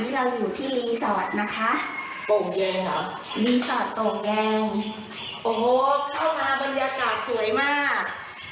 เราอยู่ที่รีสอร์ทนะคะโป่งแยงรีสอร์ทโป่งแดงโอ้โหเข้ามาบรรยากาศสวยมาก